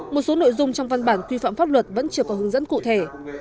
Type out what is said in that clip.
một số nội dung trong văn bản quy phạm pháp luật vẫn chưa có hướng dẫn cụ thể